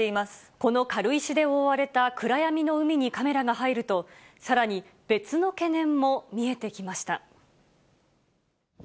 この軽石で覆われた暗闇の海にカメラが入ると、さらに別の懸念も見えてきました。